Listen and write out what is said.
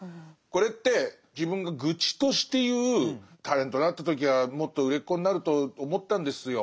これって自分が愚痴として言う「タレントになった時はもっと売れっ子になると思ったんですよ。